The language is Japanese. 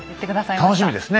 楽しみですね